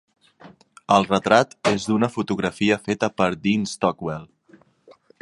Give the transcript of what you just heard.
El retrat és d'una fotografia feta per Dean Stockwell.